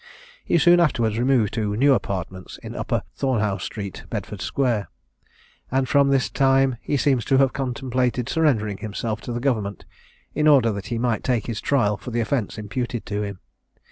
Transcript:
He soon afterwards removed to new apartments in Upper Thornhaugh street, Bedford square, and from this time he seems to have contemplated surrendering himself to the Government, in order that he might take his trial for the offence imputed to him.